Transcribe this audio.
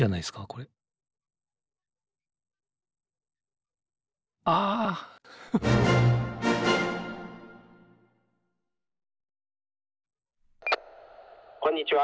これあこんにちは